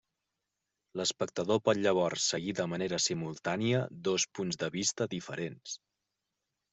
L'espectador pot llavors seguir de manera simultània dos punts de vista diferents.